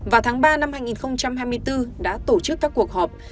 vào tháng ba năm hai nghìn hai mươi bốn đã tổ chức các cuộc họp